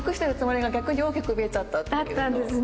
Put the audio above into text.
だったんですね。